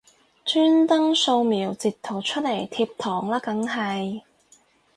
專登掃瞄截圖出嚟貼堂啦梗係